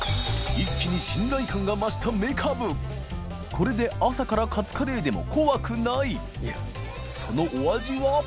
祕豕い信頼感が増しためかぶ磴海譴朝からカツカレーでも怖くない磴修お味は？